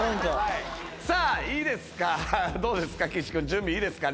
準備いいですか？